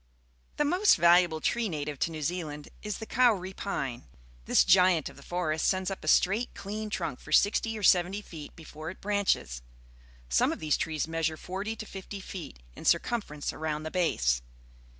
The most valuable tree native to New Zea THE SMALLER ISLANDS 247 land is the kauri pine . This giant of the forest sends up a straight, clean trunk for sixty oi l seventy fe^t before it branches. Some of these trees measure forty to fifty feetj£L circumference around the base.